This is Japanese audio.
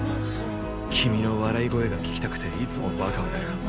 君の笑い声が聞きたくていつもバカをやる。